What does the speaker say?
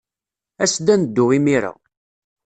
As-d ad neddu imir-a.